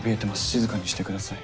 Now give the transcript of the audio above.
静かにしてください。